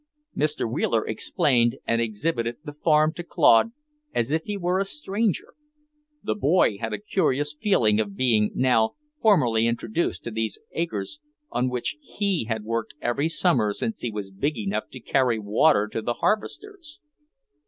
Mr. Wheeler explained and exhibited the farm to Claude as if he were a stranger; the boy had a curious feeling of being now formally introduced to these acres on which he had worked every summer since he was big enough to carry water to the harvesters.